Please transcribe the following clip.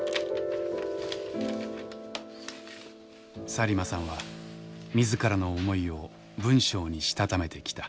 サリマさんは自らの思いを文章にしたためてきた。